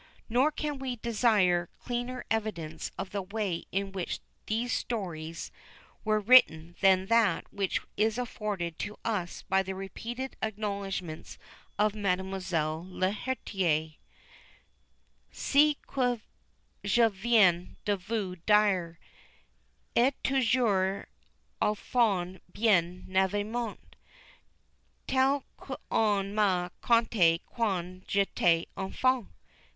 Nor can we desire clearer evidence of the way in which these stories were written than that which is afforded to us by the repeated acknowledgments of Mademoiselle Lheritier: "Ce que je viens de vous dire Est toujours au fond bien naïvement Tel qu'on ma conté quand j'etais enfant."